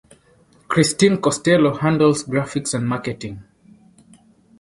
Kristin Costello handles graphics and marketing.